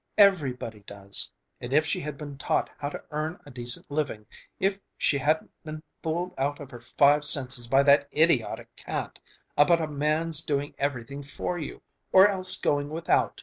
Everybody does! And if she had been taught how to earn a decent living, if she hadn't been fooled out of her five senses by that idiotic cant about a man's doing everything for you, or else going without...